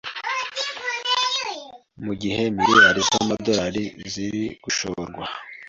Mu gihe miliyari z'amadorari ziri gushorwa